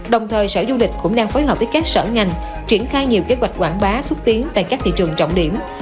đồng thời sở du lịch cũng đang phối hợp với các sở ngành triển khai nhiều kế hoạch quảng bá xúc tiến tại các thị trường trọng điểm